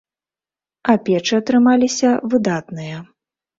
А печы атрымаліся выдатныя.